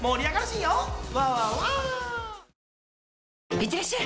いってらっしゃい！